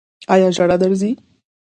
ایا ژړا درځي؟